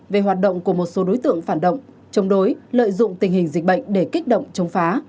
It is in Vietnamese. về hoạt động của một số đối tượng phản động chống đối lợi dụng tình hình dịch bệnh để kích động chống phá